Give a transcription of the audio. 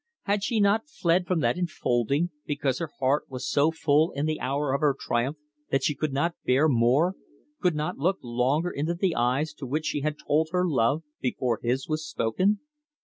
Had she not fled from that enfolding, because her heart was so full in the hour of her triumph that she could not bear more, could not look longer into the eyes to which she had told her love before his was spoken?